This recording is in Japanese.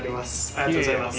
ありがとうございます。